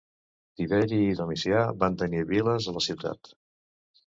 Tiberi i Domicià van tenir viles a la ciutat.